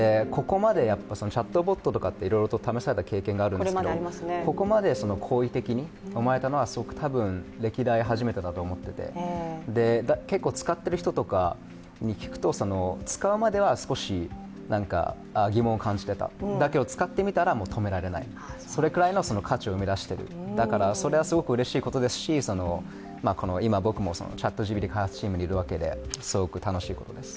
チャットボットとかっていろいろ試された経験があるんですがここまで好意的に思われたのはすごく歴代で初めてだと思っていて結構使っている人とかに聞くと使うまでは少し疑問を感じていただけど使ってみたら止められない、それぐらいの価値を生み出しているだからそれは、すごくうれしいことですし今僕もＣｈａｔＧＰＴ開発チームにいるわけですごく楽しいことです。